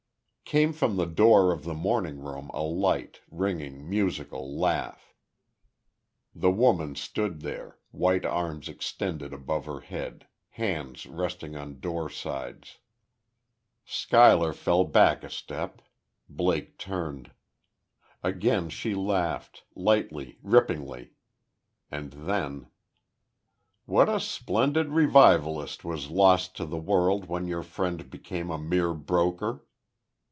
Came from the door of the morning room a light, ringing, musical laugh. The woman stood there, white arms extended above her head, hands resting on door sides. Schuyler fell back a step. Blake turned. Again she laughed, lightly, ripplingly. And then: "What a splendid revivalist was lost to the world when your friend became a mere broker!"